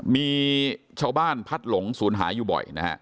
มีชาวบ้านพัดหลงสูญหายอยู่บ่อย